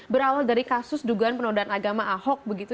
berawal dari kasus dugaan penodaan agama ahok begitu